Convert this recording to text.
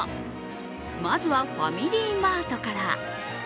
まずはファミリーマートから。